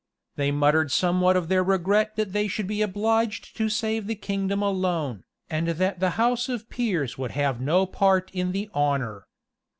They muttered somewhat of their regret that they should be obliged to save the kingdom alone, and that the house of peers would have no part in the honor.